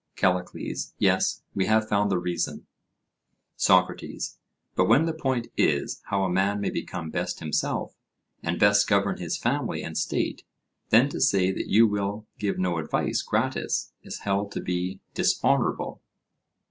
CALLICLES: Yes, we have found the reason. SOCRATES: But when the point is, how a man may become best himself, and best govern his family and state, then to say that you will give no advice gratis is held to be dishonourable?